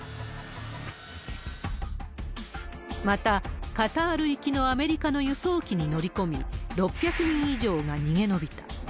また、カタール行きのアメリカの輸送機に乗り込み、６００人以上が逃げ延びた。